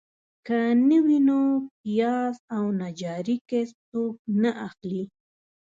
که نه وي نو پیاز او نجاري کسب څوک نه اخلي.